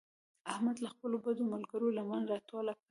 احمد له خپلو بدو ملګرو لمن راټوله کړه.